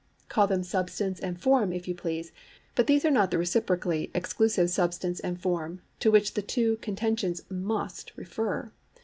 Call them substance and form if you please, but these are not the reciprocally exclusive substance and form to which the two contentions must refer.